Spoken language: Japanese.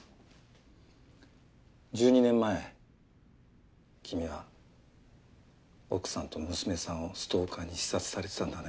１２年前君は奥さんと娘さんをストーカーに刺殺されてたんだね。